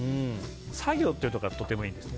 作業っていうところがとてもいいんですね。